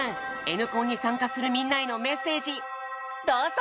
Ｎコンに参加するみんなへのメッセージどうぞ！